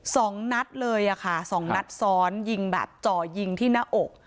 สองนัดเลยอะค่ะสองนัดซ้อนยิงแบบจ่อยิงที่หน้าอก